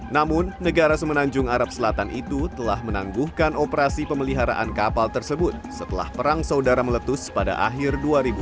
namun negara semenanjung arab selatan itu telah menangguhkan operasi pemeliharaan kapal tersebut setelah perang saudara meletus pada akhir dua ribu dua puluh